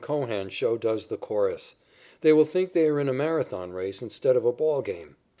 Cohan show does the chorus. They will think they are in a Marathon race instead of a ball game."